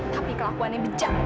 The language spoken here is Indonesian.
tapi kelakuannya bejat